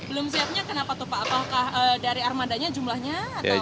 belum siapnya kenapa tuh pak apakah dari armadanya jumlahnya atau